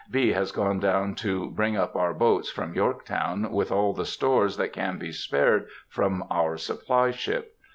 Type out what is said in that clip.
B. has gone down to bring up our boats from Yorktown, with all the stores that can be spared from our supply ship.